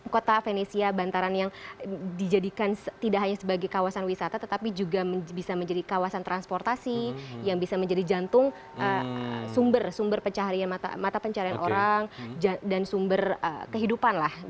kota venesia bantaran yang dijadikan tidak hanya sebagai kawasan wisata tetapi juga bisa menjadi kawasan transportasi yang bisa menjadi jantung sumber sumber mata pencarian orang dan sumber kehidupan lah